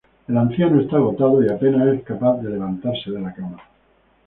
El anciano está agotado, y apenas es capaz de levantarse de la cama.